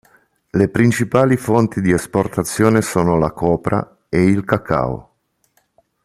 Le principali fonti di esportazione sono la copra e il cacao.